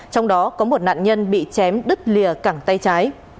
trong đó có một nạn nhân bị chém đứt lìa cẳng tay trái